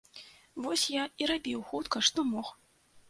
Вось я і рабіў хутка, што мог.